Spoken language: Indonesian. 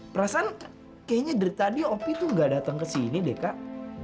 perasaan kayaknya dari tadi opi tuh gak datang ke sini deh kak